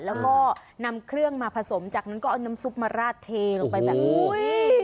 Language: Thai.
แล้วก็นำเครื่องมาผสมจากนั้นก็เอาน้ำซุปมาราดเทลงไปแบบนี้